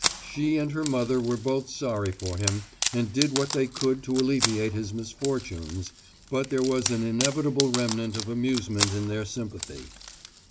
She and her mother were both sorry for him, and did what they could to alleviate his misfortunes, but there was an inevitable remnant of amusement in their sympathy.